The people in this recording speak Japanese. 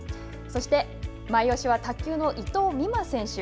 そしてマイオシは卓球の伊藤美誠選手。